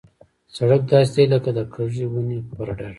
سړک داسې دی لکه د کږې ونې پر ډډ.